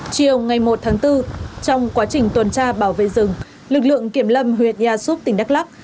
chiều ngày một tháng bốn trong quá trình tuần tra bảo vệ dừng lực lượng kiểm lâm huyệt nhà súp tỉnh đắk lắc